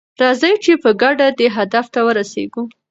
راځئ چې په ګډه دې هدف ته ورسیږو.